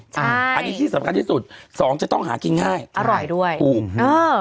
ใช่อันนี้ที่สำคัญที่สุด๒จะต้องหากินง่ายอร่อยด้วยอื้อ